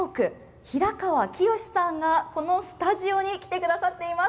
平川洌さんがこのスタジオに来てくださっています。